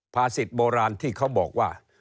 สิทธิ์โบราณที่เขาบอกว่า